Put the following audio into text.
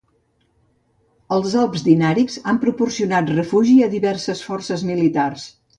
Els Alps Dinàrics han proporcionat refugi a diverses forces militars.